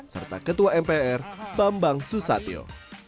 serta ketua mpr bambang susatyo